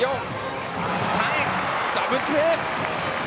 ダブルプレー。